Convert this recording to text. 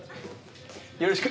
よろしく。